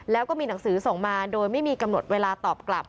แล้วก็มีหนังสือส่งมาโดยไม่มีกำหนดเวลาตอบกลับ